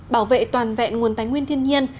bảo vệ toàn vẹn nguồn tánh nguyên thiên nhiên